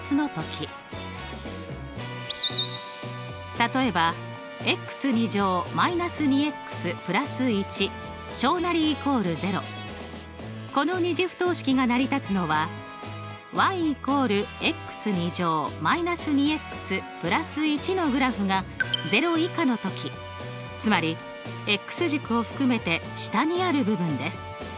例えばこの２次不等式が成り立つのはつまり軸を含めて下にある部分です。